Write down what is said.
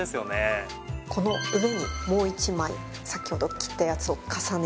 この上にもう一枚先ほど切ったやつを重ねて。